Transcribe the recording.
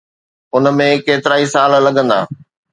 ان ۾ ڪيترائي سال لڳندا.